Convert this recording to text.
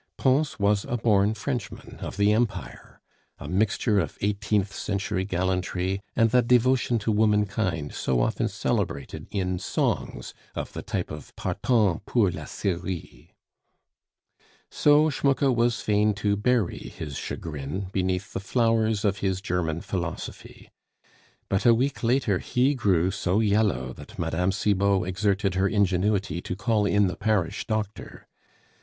Pons was a born Frenchman of the Empire; a mixture of eighteenth century gallantry and that devotion to womankind so often celebrated in songs of the type of Partant pour la Syrie. So Schmucke was fain to bury his chagrin beneath the flowers of his German philosophy; but a week later he grew so yellow that Mme. Cibot exerted her ingenuity to call in the parish doctor.